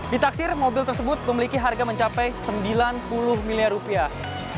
ditaksir mobil tersebut memiliki harga mencapai sembilan puluh miliar rupiah